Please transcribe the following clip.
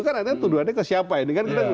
kan artinya tuduhannya ke siapa ini kan